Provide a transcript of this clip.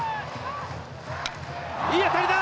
いい当たりだ！